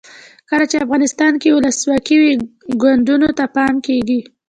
کله چې افغانستان کې ولسواکي وي کونډو ته پام کیږي.